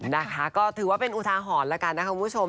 นะคะก็ถือว่าเป็นอุทาหรณ์แล้วกันนะคะคุณผู้ชม